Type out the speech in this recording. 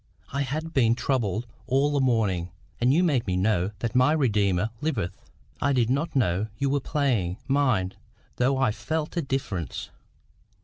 I had been troubled all the morning; and you made me know that my Redeemer liveth. I did not know you were playing, mind, though I felt a difference.